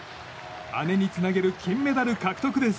姉につなげる金メダル獲得です。